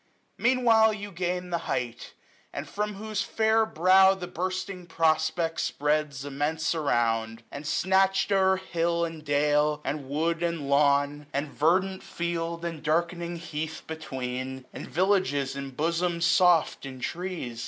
Meantime you gain the height, from whose fair brow The bursting prospect spreads immense around ; And snatch'd o'er hill and dale, and wood and lawn. SPRING. 37 And verdant field, and darkening heath between ; 950 And villages enbosom'd soft in trees.